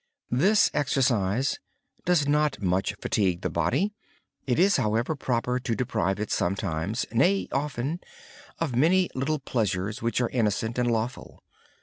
This practice does not tire the body. It is, however, proper to deprive it sometimes, nay often, of many little pleasures which are innocent and lawful.